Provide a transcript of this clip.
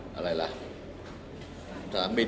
ก็เตรียมแทนการดูแล